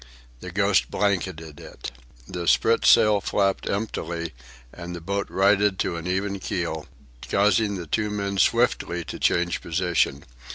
The Ghost blanketed it. The spritsail flapped emptily and the boat righted to an even keel, causing the two men swiftly to change position.